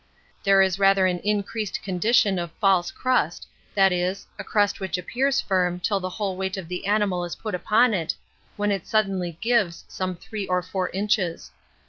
There is rather an increased condition of false crust, that is, a crust which appears firm till the whole weight of the animal is put upon it, when it suddenly gives some three or four inches.